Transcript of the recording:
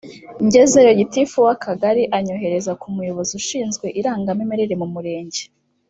ngezeyo Gitifu w’Akagari anyohereza ku muyobozi ushinzwe irangamimerere mu Murenge